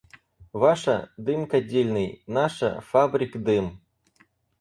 Ваша — дым кадильный, наша — фабрик дым.